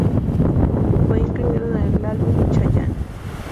Fue incluido en el álbum Chayanne.